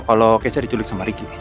kalau keisha diculik sama riki